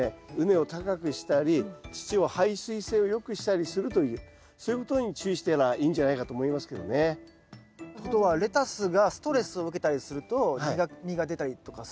畝を高くしたり土を排水性を良くしたりするというそういうことに注意したらいいんじゃないかと思いますけどね。ってことはレタスがストレスを受けたりすると苦みが出たりとかするってことですか？